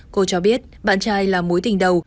cô cho biết bạn trai là mối tình đầu